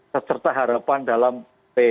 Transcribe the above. tercerta harapan dalam p